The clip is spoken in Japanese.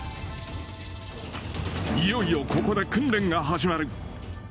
いよいよ、ここで訓練が始まる。